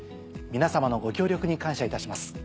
皆様のご協力に感謝いたします。